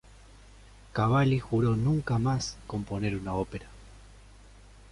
Cavalli juró nunca más componer una ópera.